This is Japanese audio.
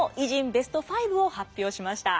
ベスト５」を発表しました。